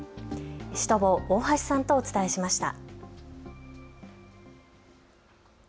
シュトボー、大橋さんとお伝えしました。